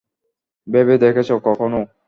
ভেবে দেখেছ কখনো?